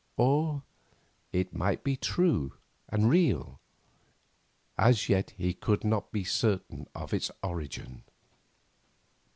Or it might be true and real; as yet he could not be certain of its origin.